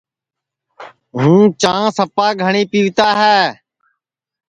ہوں چاں سپا گھٹؔی پیوتا ہے